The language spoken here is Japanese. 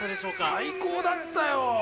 最高だったよ。